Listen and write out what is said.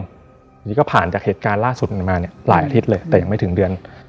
อันนี้ก็ผ่านจากเหตุการณ์ล่าสุดมาเนี่ยหลายอาทิตย์เลยแต่ยังไม่ถึงเดือน